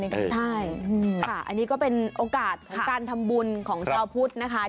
ใช่ค่ะอันนี้ก็เป็นโอกาสของการทำบุญของชาวพุทธนะคะ